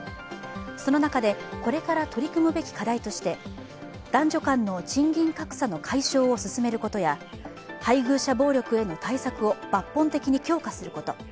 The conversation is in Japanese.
その中で、これから取り組むべき課題として男女間の賃金格差の解消を進めることや配偶者暴力への対策を抜本的に強化すること。